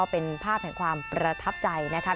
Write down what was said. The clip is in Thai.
เป็นภาพแห่งความประทับใจนะคะ